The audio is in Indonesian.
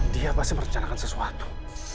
dia pasti merencanakan sesuatu